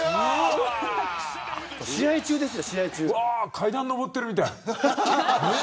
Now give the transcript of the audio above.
階段、上ってるみたい。